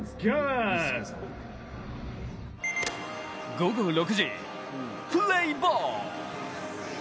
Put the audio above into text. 午後６時、プレーボール。